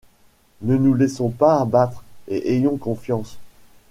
Ne nous laissons pas abattre, et ayons confiance !